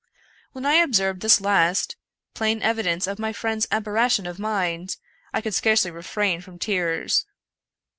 When I observed this last, plain evidence of my friend's aberration of mind, I could scarcely refrain from tears.